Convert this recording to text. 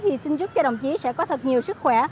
thì xin giúp cho đồng chí sẽ có thật nhiều sức khỏe